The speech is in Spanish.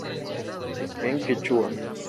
En quechua.